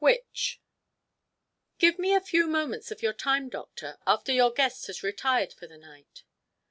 "WHICH?" "Give me a few moments of your time, doctor, after your guest has retired for the night."